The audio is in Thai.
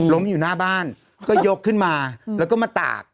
อยู่หน้าบ้านก็ยกขึ้นมาแล้วก็มาตาก